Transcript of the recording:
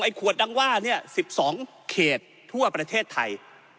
ไอ้ขวดดังว่านี่สิบสองเขตทั่วประเทศไทย